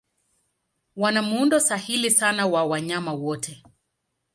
Wana muundo sahili sana wa wanyama wote.